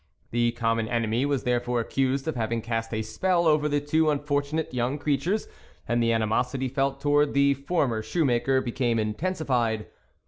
The common enemy was therefore accused of having cast a spell over the two unfor tunate youg creatures, and the animosity felt towards the former shoe maker be came intensified.